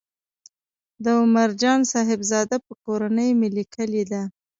د عمر جان صاحبزاده پر کورنۍ مې لیکلې ده.